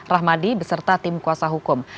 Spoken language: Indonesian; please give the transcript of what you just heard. rahmadi beserta tim kuasa hukum